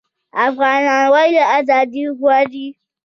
افغانان ولې ازادي غواړي؟